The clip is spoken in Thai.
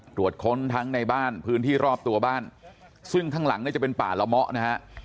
ตรวจค้นทั้งในบ้านพื้นที่รอบตัวบ้านซึ่งข้างหลังเนี่ยจะเป็นป่าละเมาะนะฮะ